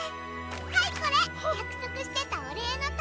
はいこれやくそくしてたおれいのたいやき。